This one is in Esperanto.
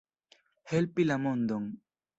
Helpi la mondon.